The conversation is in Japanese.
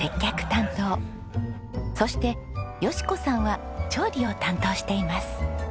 そして佳子さんは調理を担当しています。